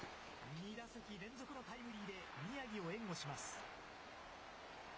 ２打席連続のタイムリーで宮城を援護します。